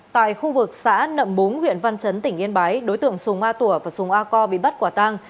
tại khu vực xã nậm búng huyện văn chấn tỉnh yên bái đối tượng sùng a tủa và sùng a co bị bắt quả tang